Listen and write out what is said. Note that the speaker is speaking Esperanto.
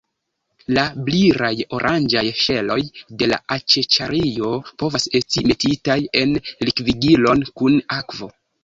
La brilaj oranĝaj ŝeloj de la aĉaĉario povas esti metitaj en likvigilon kun akvo.